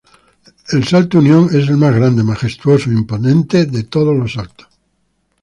El Salto Unión es el más grande, majestuoso e imponente de todos los saltos.